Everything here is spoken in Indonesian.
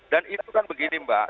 dan itu kan begini mbak